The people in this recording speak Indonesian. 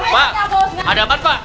pak ada apaan pak